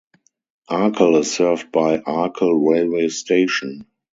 Arkel is served by Arkel railway station.